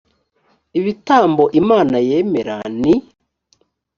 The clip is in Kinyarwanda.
ibitambo imana yemera ni